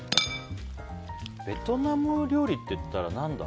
ベトナム料理っていったら何だ？